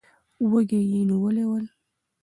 وږي یې نیولي ول.